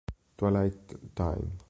Twilight Time